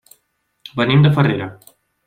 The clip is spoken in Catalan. Venim de Farrera.